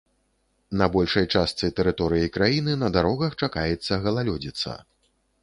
На большай частцы тэрыторыі краіны на дарогах чакаецца галалёдзіца.